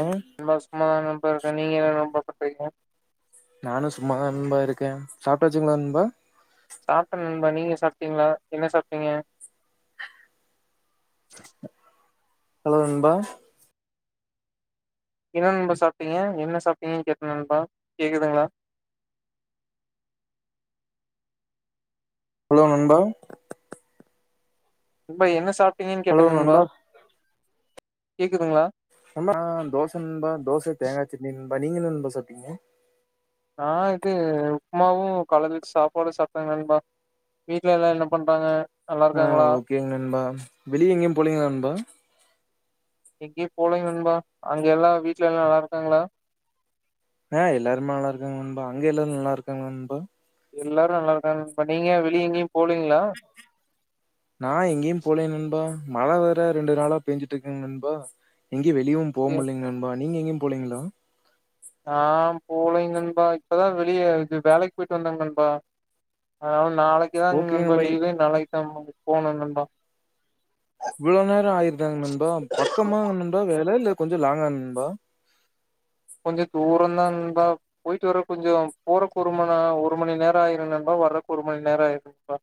ஏ ரொம்ப சுமாரான [unintelligible] [unintelligible] நானும் சும்மாதா நண்பா இருக்க சாப்புடாசுங்களா நண்பா சாப்ட்ட நண்பா நீங்க சாப்பிடீங்களா என்ன சாப்டீங்க ஹலோ நண்பா என்ன நண்பா சாப்ட்டீங்க என்ன சாப்ட்டீங்கனு கேட்ட நண்பா கேக்குதுங்களா ஹலோ நண்பா நன்பா என்ன சாப் டீங்கனு கேட்ட நண்பா கேக்குதுங்களா ஆ தோச நண்பா தோச தேங்கா சட்னி நண்பா நீங்க என்ன நண்பா சாப்டீங்க ஆ இது உப்மாவும் கலச்சு சாப்பாடு சாப்ப நண்பா வீட்ல எல்லாம் என்ன பண்றாங்க நல்லா ஆ இருக்காங்களா ஓகேங்க நண்பா வெளிய எங்கேயு போலீங்களா நண்பா எங்கியு போலங்க நண்பா அங்க எலாம் வீட்லலாம் நல்லா இருக்காங்களா ஆ எல்லாருமே நல்லா இருக்காங்க நண்பா அங்க எல்லாரும் நல்லா இருக்காங்களா நண்பா எல்லாரும் நல்லா இருக்காங்க நண்பா நீங்க வெளிய எங்கியு நான் எங்கியு போலயே நண்பா மழை வேற ரெண்டு நாளா பேஞ்சிட்டு இருக்குங்க நண்பா இங்கேயு வெளியவும் போ முடில்லைங்க நண்பா நீங்க எங்கயு போலீங்களா ஆ போலைங் நண்பா இப்பதான் வெளியே விட் வேலைக்கு போயிட்டு வந்தங்க நண்பா நாளைக்குதா நண்பா லீவு நாளைக்குதா [inaudible] போனும் நண்பா இவ்ளோ நேரம் ஆயி [unintelligible] ஏன் நண்பா பக்கமா நண்பா வேல கொஞ்சம் லாங்க நண்பா கொஞ்சம் தூர தான் நண்பா போயிட்டு வரப்ப கொஞ்சம் போறப்ப ஒரு மணி ஆகிடும் நண்பா வரப்ப ஒரு மணி நேரம் ஆயிரும் நண்பா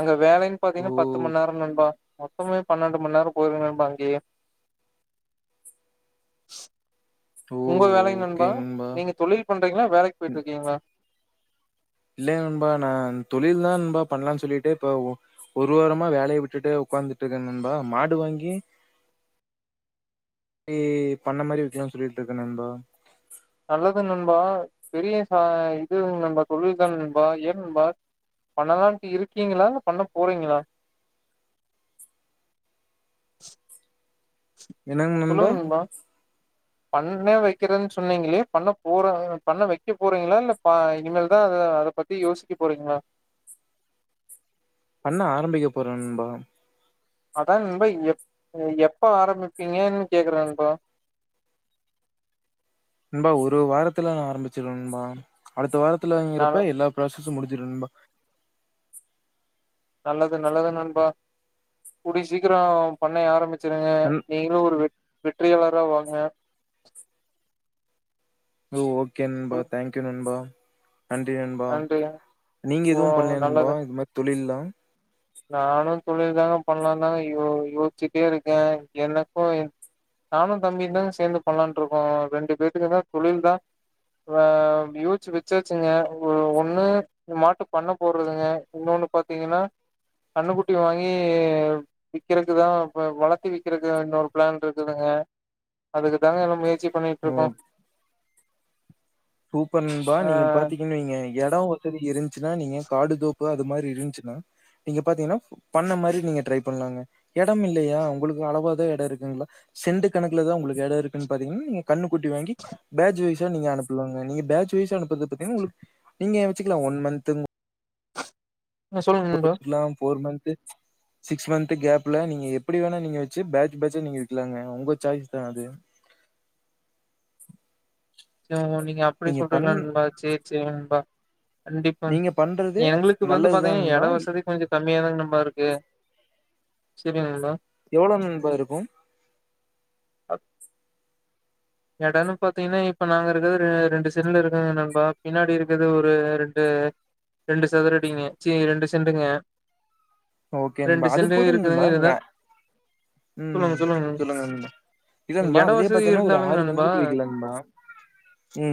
அங்க வேலை ஓ பாத்தீங்கன்னா பத்து மணி நேரம் நண்பா [unintelligible] பன்னெண்டு மணி நேரம் போயிரும் நண்பா அங்கேயே ஓ உங்க வேலை நண்பா நீங்க தொழில் பண்றீங்களா வேலைக்கு போயிட்டு இருக்கீங்களா இல்லைங்க நண்பா நான் தொழில்தான் நண்பா பண்லாம்னு சொல்லிட்டு இப்ப ஒரு வாரமா வேலையை விட்டுட்ட உட்காந்துட்டு இருக்கேன் நண்பா மாடு வாங்கி பண்ண மாதிரி வைக்கலாம் சொல்லிட்டு இருக்கேன் நண்பா நல்லது நண்பா பெரிய இது தொழில் தான் நண்பா ஏன் நண்பா பண்ணலாம்னு இருக்கீங்களா பண்ண போறீங்களா என்னங்க நண்பா பண்ணே வைக்கறேன்னு சொன்னீங்களயே பண்ண போற பண்ண வைக்க போறீங்களா இல்ல பா இனிமலதான் அத அத பத்தி யோசிக்க போறீங்களா பண்ண ஆரம்பிக்க போறன் நண்பா அதான் நண்பா எப் எப்ப ஆரம்பிப்பீங்கன்னு கேக்குறேன் நண்பா நண்பா ஒரு வாரத்துல நான் ஆரம்பிச்சுருவன் நண்பா அடுத்த வாரத் [unintelligible] நானு வாங்கறப்ப எல்லா ப்ரோசெஸ் முடிஞச்சிட நண்பா நல்லது நல்லது நண்பா கூடிய சீக்கிரம் பண்ணைய ஆரம்பிச்ச ருங்க நன் நீங்களும் ஒரு வெற்றியாளர் [unintelligible] வாங்க [unintelligible] ஓகே நண்பா சொல் தேங்க்யூ நண்பா நன்றி நண்பா நன்றி நீங்க ஓ எதுவும் பண்ணலயா நண்பா இது மாதிரி தொழில்லான் நானும் தொழில் தாங்க பண்ணலாம் தாங்க யோ யோசிச்சுட்டே இருக்கேன் எனக்கும் நானும் தம்பி தாங்க சேர்ந்து பண்ணலான் இருக்கோம் ரெண்டு பேத்துக்கு தான் தொழில் தான் ஆஹ் யோசிச்சு வச்சாச்சுங்க ஒண்ணு மாட்டு பண்ண போடுறதுங்க இன்னொண்ணு பாத்தீங்கன்னா கண்ணு குட்டி வாங்கி விற்கறக்குதான் வளர்த்து விக்கறக்குன்ன ஒரு பிளான் இருக்குதுங்க அதுக்கு தாங்க நான் முயற் பண்ணிட்டு ஓ இருக்கோம் சூப்பர் நண்பா நீங்க பாத்தீங்கன்னு வெய்ங்க நீங்க எடம் வந்து இருந்து நீங்க காடு தோப்பு அது மாதிரி இருந்துச்சின்னா நீங்க பாத்தீங்கன்னா பண்ண மாதிர நீங்க ட்ரை பண்ணலாம் எடம் இல்லையா உங்களுக்கு அளவுதா எடம் இருக்குங்களா சென்ட் கணக்குல தாய் இடம் இருக்குன்னு பாத்தீங்கன்னா குட்டி வாங்கி பேஜ் வைஸா அனுப் சொல்லுங்க நீங்க பேட்ச் வைஃப் அனுப் [unintelligible] உங்களுக் நீங்க வெச்சுக்கலாம் ஒன் மந்த் ஆ, சொல்லுங்க நண்பா [unintelligible] சிக்ஸ் மந்த் கேப்ல நீங்க எப்படி வேணா நீங்க எப்படி வேணா வச்சு பேட்ச் பேட்ச்சா நீங்க விக்கலாங்க உங்க சாய்ஸ் தான் அது நீங்க அப்படி சொல்றீங்கள நண்பா செரி செரி நண்பா கண்டிப்பா நீங்க பண்றது எங்களுக்கு வந்து நல்லதுதா பாத்தீங்கன்னா நண்பா ஏட வசதி கொஞ்சம் கம்மியாதாங்க நண் [unintelligible] செரிங் நண்பா எவ்ளவு நண்பா இருக்கும் அஹ் இடம்ன்னு பாத்தீங்கன்னா எப்ப நாங்க இருக்கிறது ரெண்டு செண்டல இருக்கங்க நண்பா பின்னாடி இருக்கது ஒரு ரெண்டு ரெண்டு சதுரடிங்க ச்ச ரெண்டு செண்டுங்க ஓகே நண்பா ரெண்டு அது செண்டு போதும் நண்பா இருக்குதுங்க இருந்தா நீங்க ம்ம் சொல்லுங்க நண்பா இல்ல நண்பா அதுலயே பாத்தீங்கன்னா ஒரு இருந்தாலு நண்பா கன்னுக்குட்டி வைக்கல நண்பா.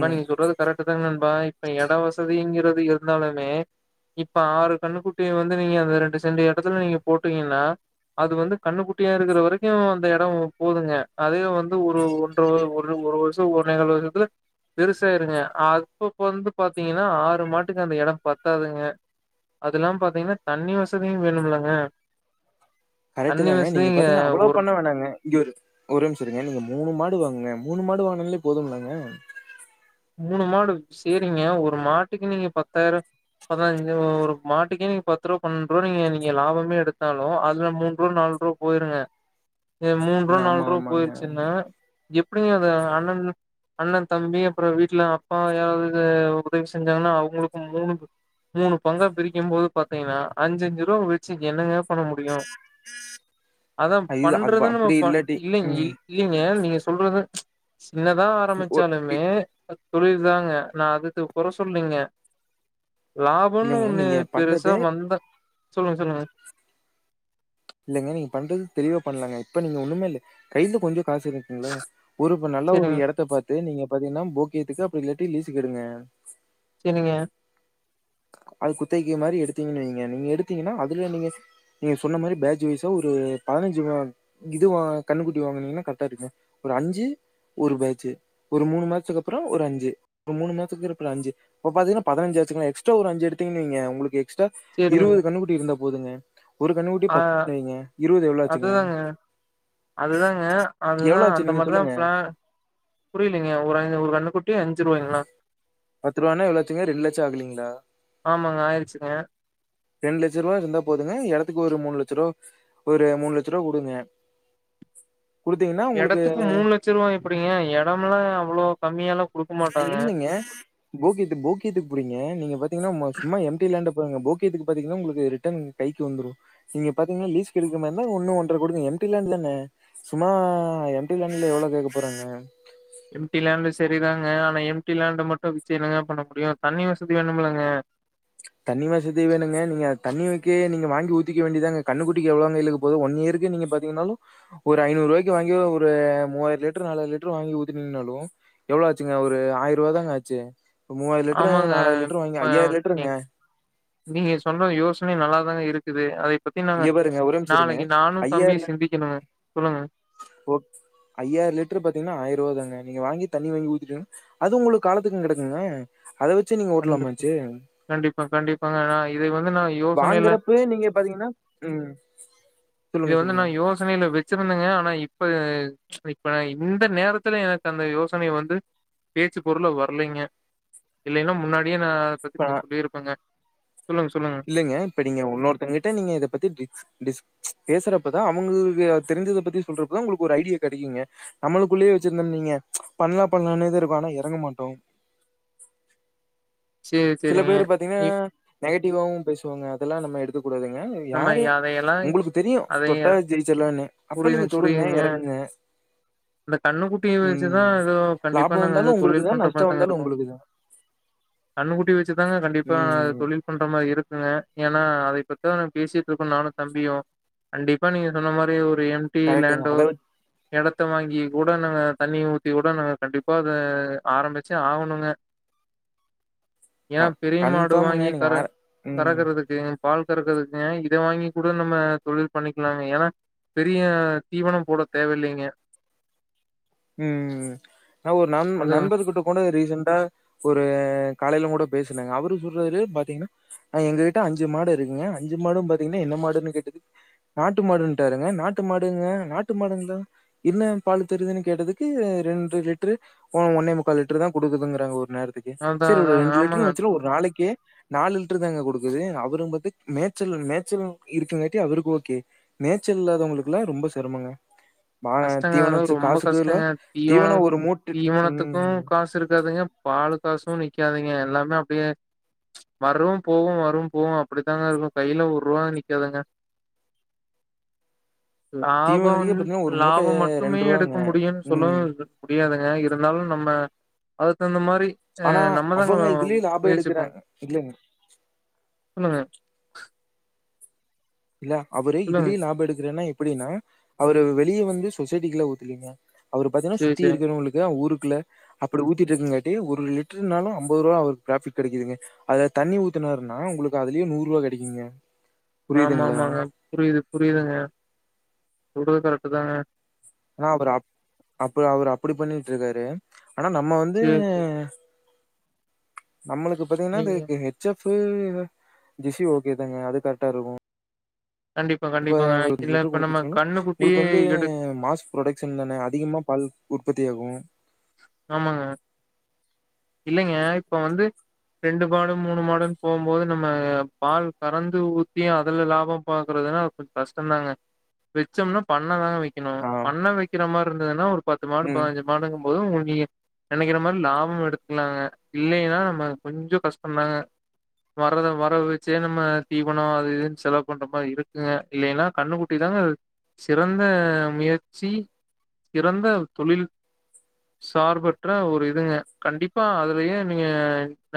பா நீங்க சொல்றது கரெக்ட்டு தாங் நண்பா இப்ப எட வசதிங்குறது இருந்தாலுமே இப்ப ஆறு கண்ணுக்குட்டி வந்து நீங்க அந்த ரெண்டு செண்டு எடத்துல நீங்க போட்டீங்கன்னா அது வந்து கண்ணுக்குட்டியா இருக்குற வரைக்கும் அந்த எடம் போதுங்க அதே வந்து ஒரு ஒ ஒரு ஒரு வருஷம் ஒன்னேகால் வருஷத்துல பெருசாயிருங்க அப்பப்ப வந்து பாத்தீங்கன்னா ஆறு மாட்டுக்கு அந்த எடம் பத்தாதுங்க அதுல்லாம் பாத்தீங்கன்னா தண்ணி வசதியும் வேணும்லங்க கரெக்ட்டு தண்ணி தாங்க வசதி நீங்க இங்க பாத்தீங்கன்னா அவ்ளோ ஒரு பண்ண வேணாங்க இங்க ஒரு ஒரு நிமிசம் இருங்க நீங்க மூணு மாடு வாங்குங்க மூணு மாடு வாங்குனாலே போதும்லங்க மூணு மாடு செரிங்க ஒரு மாட்டுக்கு நீங்க பத்தாயிரம் பதினஞ்சு ஒரு மாட்டுக்கே நீங்க பத்து ரூபா பன்னெண்டு ரூபா நீங்க நீங்க லாபமே எடுத்தாலும் அதுல மூண் ரூபா நாலு ரூபா போயிருங்க ஏ மூணு ரூவா நாலு ஆமா, ரூபா ஆமாங்க. போயிருச்சுனா எப்டிங்க அது அண்ணன் அண்ண தம்பி ஆப்ரோ வீட்ல அப்பா யாராவது உதவி செஞ்சாங்கன்னா அவங்களுக்கு மூணு மூணு பங்கா பிரிக்கும்போது பாத்தீங்கன்னா அஞ்சு அஞ்சு ரூபா வெச்சுங் என்னங்க பண்ண முடியும் அதான் இது அது பண்றது ப- நம்ம அப்படி பண் இல்லாட்டி இல்லங் ம். இல்லங்க நீங்க சொல்றது என்னதான் ஒ இ ஆரம்பமிச்சாலுமே தொழில் தாங்க நான் அதுக்கு குற சொல்லங்க லாபம்ன்னு இல்லைங்க ஒன்னு நீங்க பெருசா பண்றது வந்தா சொல்லுங்க சொல்லுங்க இல்லலங்க நீங்க பண்றது தெளிவா பண்ணலாங்க இப்ப நீங்க ஒண்ணுமே இல்ல கைல கொஞ்சொ காசு இருந்துச்சிங்களா ஒரு இப்ப நல்ல ஒரு சேரிங்க எடத்த பாத்து நீங்க பாத்தீங்கன்னா போக்கியத்துக்கு அப்டி இல்லாட்டி லீசுக்கு எடுங்க செரிங்க அது குத்தகைக்கி மாரி எடுத்தீங்கன்னு வைங்க நீங்க எடுத்தீங்கன்னா அதுல நீங்க நீங்க சொன்ன மாரி பேட்ச் வைஸ்சா ஒரு பதினஞ்சு இதுவா கண்ணுக்குட்டி வாங்கனீங்கன்னா கரெக்டா இருக்கு ஒரு அஞ்சு ஒரு பேட்ச் ஒரு மூணு மாசத்துக்கு அப்பறோ ஒரு அஞ்சு ஒரு மூணு மாசத்துக்கு இருக்குற அஞ்சு இப்ப பாத்தீங்கன்னா பதினஞ்சுயாடுச்சிங்களா எக்ஸ் எக்ஸ்ட்ரா ஒரு அஞ்சு எடுதுங்கன்னு வைங்க உங்களுக்கு எக்ஸ்ரா சேரிங்க இருவது கண்ணுகுட்டி இருந்தாப் பொ போதுங்க ஒரு கன்னுக்குட்டி ஆ பத்து வைங்க இருபது எவ்வளோ ஆச்சுங்க அதுதாங்க அதுதாங்க அதுதா எவ்வளோ ஆச்சு அந்த நீங்க மாரிதா சொல்லுங்க ஃப்ளான் புரியலங்க ஒரு ஒரு கண்ணுக் குட்டி அஞ்சு ரூவாய்ங்களா பத்து ரூவான்னா எவ்ளோ ஆச்சுங்க ரெண்டு லட்சோ ஆகளைங்ளா ஆமாங்க ஆயிருச்சுங்க ரெண்டு லட்ச ரூவா இருந்தா போதுங்க எடத்துக்கு ஒரு மூணு லட்ச ரூவா ஒரு மூணு லட்ச ரூவா குடுங்க எடத்துக்கு மூணு லட்ச ரூவா எப்டிங்க எடம்லா அவ்ளோ கம்மியாலா குடுக்க மாட்டாங்க இல்லைங்க போகித்து போக்கித்துக்கு புரியுங்க நீங்க பாத்தீங்கன்னா சும்மா எம்டி லாண்ட போகேத்துக்கு பாத்தீங்கன்னா உங்களுக்கு ரிட்டன் கைக்கு வந்துரு நீங்க பாத்தீங்கன்னா லீஸுக்கு எடுக்கு மாரி இருந்தா ஒன்னு ஒன்ற கூட எம்டி லாண்ட்ல என்ன சும்மா எம்டி லாண்ட்ல எவ்ளோ கேக்க போறாங்க எம்டி லேண்ட சரிதாங்க ஆனா எம்டி லேண்ட மட்டும் வச்சி என்னங்க பண்ண முடியும் தண்ணி வசதி வேணுமுலங்க தண்ணி வசதி வேணுங்க நீங்க தண்ணி வக்கே நீங்க வாங்கி ஊத்திக்க வேண்டியதாங்க கண்ணுக்குட்டிக்கு எவ்ளோங்க இழுக்க போது ஒன் இயர்க்கு நீங்க பாத்தீங்கன்னாலு ஒரு ஐநூறு ரூவாய்க்கு வாங்கி ஒரு மூவாயிர லிட்டரு நாலாயிர லிட்டர் வாங்கி ஊத்தினீங்கன்னாலு எவ்ளோ ஆச்சுங்க ஒரு ஆயிரூவா தாங்க ஆச்சு மூவாயிர லிட்ரு ஆமாங்க. நாலாயிர லிட்ரு வாங்க இப்ப ஐயாயிர லிட்ருங்க நீங் நீங்க சொன்ன யோசனயு நல்லா தாங்க இருக்குது அத இப் இங்க பாருங்க ஒரே ஒரு நிம்சோ இருங்க ஐயாயிர தம்பியும் சிந்திக்கணுங்க. சொல்லுங்க. ஓ ஐயாயிர லிட்டர் பாத்தீங்கன்னா ஆயிர ரூவா தாங்க நீங்க வாங்கித் தண்ணி வாங்கி ஊத்திட்டு அது உங்களுக்கு காலத்துக்கு கெடக்குங்க அத வச்சு நீங்க கண்டிப்பா ஓட்டலாமாச்சு கண்டிப்பா கண்டிப்பாங்க நான் இத வந்து நா வாங்குறப்பவே நீங்க பாத்தீங்கன்னா உம் சொல்லுங்க சொல்லுங்க ச்சிருந்தங்க ஆனா இப்ப இப்ப இந்த நேரத்துல எனக்கு அந்த யோசனைய வந்து பேச்சு பொருள் வரலைங்க இல்லேன முன்னாடியே தா அத பத்தி [unintelligible] இருப்பங்க இல்லேங்க இப்ப நீங்க இன்னொருத்தவங்ககிட்ட நீங்க இத பத்தி டிக்ஸ் டிச்ஸ் பேசுறப்பதா அவுங்களுக்கு அத தெரிஞ்சத பத்தி சொல்றப்பதா உங்களுக்கு ஒரு ஐடியா கெடைக்குங்க நம்மளுக்குள்ளயே வச்சுருந்தம்னு வைங்க பண்ணலா பண்ணலானேதா இருக்கு ஆனா எறங்க மாட்டோ சரி, சில சரிங்க. பேர் பாத்தீங்கன்னா இப் நெகட்டிவாவவு பேசுவாங்க எல்லா நம்ம எடுத்துக் கூடாதுங்க நம்ம யாரு அதையெல்லாம் உங்களுக்கு தெரியு அதைய தொட்டா ஜெயிச்சிடலான்னு அப்ப புரியுது, நீங்க தொடுங்க புரியுதுங்க. இறங்குங்க இந்த கண்ணுக்குட்டிய வச்சுதா எதோ கண்டிப்பா லாபம் நாங்க எதோ வந்தாலும் உங்களுக்கு தொழில் தான் பண்ற நஷ்டம் மாரிதாங்க வந்தாலும் இருக்கோ உங்களுக்கு தான் கண்ணுக் கூட்டி வச்சுதாங்க கண்டிப்பா ம் தொழில் பண்ற மாரி இருக் ங்க ஏன்னா அதை பத்த பேசிட்டு இருக்க நானும் தம்பியும் கண்டிப்பா நீங்க சொன்ன மாரி ஒரு எம்டி கரெக்ட்டுங்க லேண்டோ அத எடத் த்தம் வாங்கி கூட நாங்க தண்ணி ஊத்தி கூட நாங்க கண்டிப்பா அத ஆரம்பிச்சு ஆவுணுங்க க ஏன் பெரிய மாடு கன்ஃபார்முங்க வாங்கி நீங்க கர ஆர ம் கறகுறதுக்கு பால் கறக்கிறதுக்குங்க இதை வாங்கி கூட நம்ம தொழில் பண்ணிக்கலாங்க ஏன்னா பெரிய தீவனம் போட தேவ இல்லைங்க ம் ம் நான் ஒரு ந அதுவும் நண்பர் கிட்ட கூட ரீசன்டா ஒரு காலையில ஓட பேசனங்க அவரு சொல்றாரு பாத்தீங்கனா எங்ககிட்ட அஞ்சு மாடு இருக்குங்க அஞ்சு மாடு பாத்தீங்கனா என்ன மாடுன்னு கேட்டுது நாட்டு மாடு ன்டாறுங்க நாட்டுமாடுங்க நாட்டுமாடுங்களா என்ன பால் தருது கேட்டதுக்கு ரெண்டு லிட்டர் ஒன்னே முக்கால் லிட்டர் தான் கொடுக்குதுங்கறாங்க ஒரு நேரத்துக்கு அதான் சரி ஒரு அதாங்க ரெண்டு ஆமாங்க. லிட்டர் வச்வோம் ஒரு நாளைக்கே நாலு லிட்டரு தாங்க குடுக்குது அவரும் ப்த்த மேச்சல் மேச்சல் இருக்குங்காட்டி அவருக்கு ஓக்கே மேச்சல் இல்லாதவங்களுக்குல்லா ரொம்ப சிரமங்க வாங்க தீவனச்சு காசு ங்க தீவனம் தீவனத்துக்கும் ம். காசு இருக்காதுங்க பால் வரகாசும் நிக்காதிங்க எல்லாமே அப்படியே ச்சு வரும் போவும் வரும் போவும் அப்படித்தாங்க இருக்கும் கையில ஒரூபா நிக்காதுங்க லாபம் தீவனத்துக்கே உன் பாத்தீங்கன்னா, ஒரு மூட்டை லாபம் ரூ. மட்டுமே எடுக்க முடியும் ம். சொல்லவும் முடியாதுங்க ஏ இருந்தாலும் நம்ம அது தகுந்த மாரி அ ஆனா நம்மதாங்க அவுங்க இதுலயே லாபம் முயற்சி பண்ணு எடுக்கிறாங் இல் சொல்லுங்க இல் அவரு சொல்லுங்க இதுலயே லாப எடுக்குறேன்னாப் அப்படின்னா அவரு வெளிய வந்து சொசைட்டிக்குள்ள ஊத்துலிங்க அவரு பாத்தீங்க சேரி சுத்தி சேரிங்க இருக்கிறவங்களுக்கு ஊரு க்ல அப்படி ஊத்திட்டு இருக்குங்காட்டி ஒரு லிட்டர்னாலும் அம்பது ரூவா அவருக்கு பிராஃபிட் கெடைக்குதுங்க அதுல தண்ணி ஊத்துனாருன்னா உங்களுக்கு அதுலயே நூறு ரூவா கெடைக்குங்க ஆமா ஆமாங்க புரிது புரிதுங்க சொல்றது கரெக்ட் தாங்க ஆ‌னா அவர் அப் அப்ப‌ அவர் அப்படி பண்ணிட்ருக்காரு ஆனா நம்ம வந்து சேரி சேரி நம்மளுக்கு பாத்தீங்கன்னா நீங்க எதுக்கு ஹெச் எப் [unintelligible] ஜெஸி ஓகே தாங்க அது கரெக்டா இருக்கும் கண்டிப்பா இப்ப கண்டிப்பாங்க [unintelligible] ஞ்சு இல்ல லிட்டர் இப்ப நம்ம கொடுத்துச்சனா கண்ணுக்குட்டி உங்களுக்கு வந்து எடு மாஸ் புரொடக்க்ஷன் தானே அதிகமா பால் உற்பத்தி ஆகும் ஆமாங்க இல்லங்க இப்ப வந்து ரெண்டு மாடு மூணு மாடுனு போகும் போது நம்ம பால் கறந்து ஊத்தி அதுல லாபம் பாக்குறதுனா கொஞ்சம் கஷ்டம்தாங்க வச்சோம்னா பண்ணதாங்க வை வக்கணும் ஆ பண்ணை வைக்கிற மாதிரி இருந்ததுன்னா ஒரு பத்து மாடு ம் பதினஞ்சு மாடு ப்பதும் நெனைக்கிற மாதிரி லாபமும் எடுத்துக்கலாங்க இல்லைன்னா நம்ம கொஞ்சம் கஷ்டம்தாங்க வரத வரவு வச்சே நம்ம தீவனம் அது இதுன்னு செலவு பண்ற மாதிரி இருக்குங்க இல்லைன்னா கண்ணுக்குட்டி தாங்க சிறந்த முயற்சி சிறந்த தொழில் சார்பற்ற ஒரு இதுங்க கண்டிப்பா அதுலயே நீங்க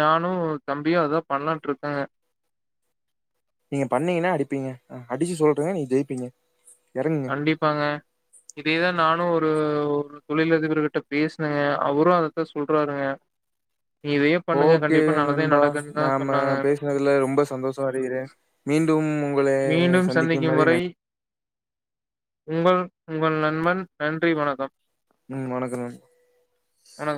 நானும் தம்பியும் அததான் பண்ணலான்ட்டு இருக்கேங்க நீங்க பண்ணீங்கன்னா அடிப்பீங்க அடிச்சு சொல்றேன்ங்க நீங்க ஜெய்ப்பீங்க கண்டிப்பாங்க இதேதான் நானும் ஒரு ஒரு‌ தொழிலதிபர்கிட்ட பேசுனேங்க அவரும் அதத்தான் சொல்றாருங்க இதையே பண்ணுங்க ஓகே கண்டிப்பா நல்லதே நண்பா நடக்குன்னு தான் நாம சொன்னாங்க. பேசுனதுல ரொம்ப சந்தோஷம் அடைகிறேன். மீண் டும் மீண்டும் சந்திக்கும் வரை உங்கள் உங்கள் நண்பன் நன்றி வணக்கம் உம் வணக்கம் வணக்கம்.